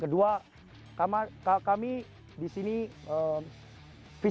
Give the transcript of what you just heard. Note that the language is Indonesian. kita harus mencari kemampuan untuk mencari kemampuan